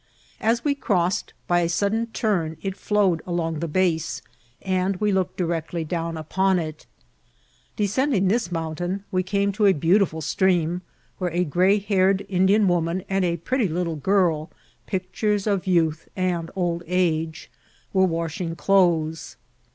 As we cross ed, by a sudden turn it flawed along the base, and we looked directly down upon it. Descending this mount 87 «in| we oame to a beautiful streanii where a gray haired Indian woman and a pretty little girl, pictures of youth and old age, were washing clothes.